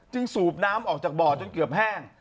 สูบน้ำออกจากบ่อจนเกือบแห้ง